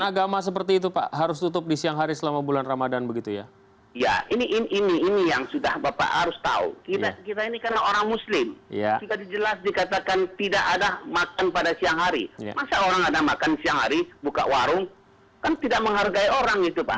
yang jelas kita harus bersihkanlah kota padang ini dari orang orang yang mengganggu orang yang sedang puasa